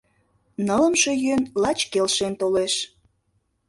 — Нылымше йӧн лач келшен толеш.